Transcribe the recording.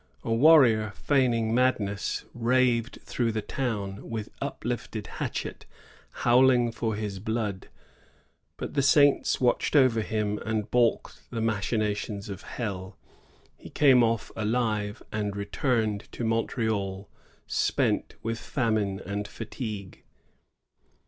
A warrior, feigning madness, raved through the town with uplifted hatchet, howling for his blood; but the saints watched over him and balked the machinations of hell. He came off alive and returned to Montreal, spent with famine and fatigue.